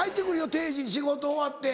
定時に仕事終わって。